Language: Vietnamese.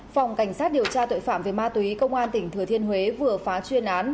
phòng cảnh sát điều tra tội phạm về ma túy công an tỉnh thừa thiên huế vừa phá chuyên án